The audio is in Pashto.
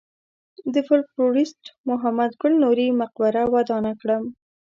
د فولکلوریست محمد ګل نوري مقبره ودانه کړم.